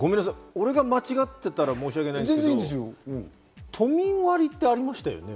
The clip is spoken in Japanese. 俺が間違ってたら申し訳ないんですけど、都民割ってありましたよね？